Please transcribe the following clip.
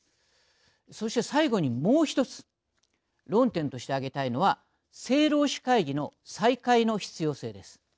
そして最後にもう一つ論点として挙げたいのは政労使会議の再開の必要性です。